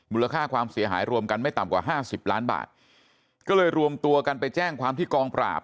ค่าความเสียหายรวมกันไม่ต่ำกว่าห้าสิบล้านบาทก็เลยรวมตัวกันไปแจ้งความที่กองปราบ